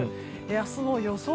明日の予想